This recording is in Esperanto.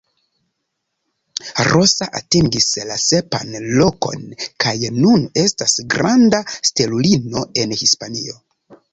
Rosa atingis la sepan lokon kaj nun estas granda stelulino en Hispanio.